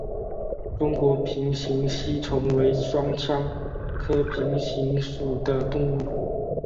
中国平形吸虫为双腔科平形属的动物。